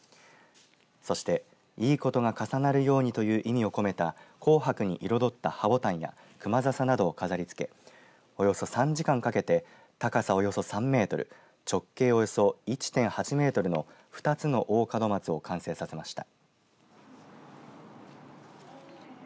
そして、いいことが重なるようにという意味を込めた紅白に彩った葉ぼたんやくまざさなどを飾りつけおよそ３時間かけて高さおよそ３メートル直径およそ１．８メートルの２つの大門松を完成させました。